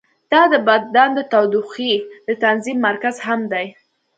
دا د بدن د تودوخې د تنظیم مرکز هم دی.